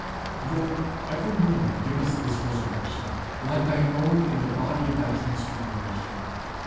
Lord, evermore give us this Resurrection, like thine own in the body of thy Transfiguration.